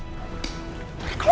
aku mau makan siapapun